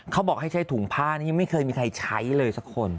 เขาบอกให้ใช้ถุงผ้านี่ยังไม่เคยมีใครใช้เลยสักคน